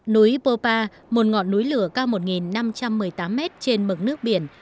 núi popa một ngọn núi lửa cao một năm trăm một mươi tám m trên mực nước biển